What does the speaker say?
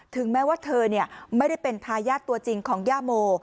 ถึงแม้ว่าเธอไม่ได้เป็นทายาทตัวจริงของย่าโม